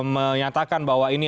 menyatakan bahwa ini